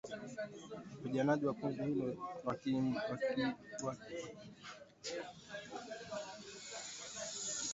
Wapiganaji wa kundi hilo walikimbilia Uganda baada ya kuzidiwa na